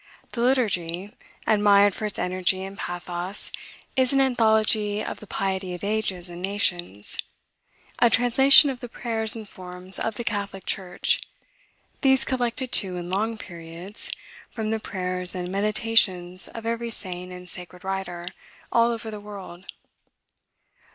The Liturgy, admired for its energy and pathos, is an anthology of the piety of ages and nations, a translation of the prayers and forms of the Catholic church, these collected, too, in long periods, from the prayers and meditations of every saint and sacred writer, all over the world.